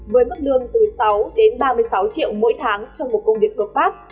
với mức lương từ sáu đến ba mươi sáu triệu mỗi tháng trong một công việc cơ pháp